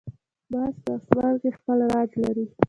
باز په آسمان کې خپل راج لري